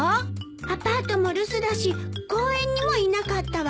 アパートも留守だし公園にもいなかったわ。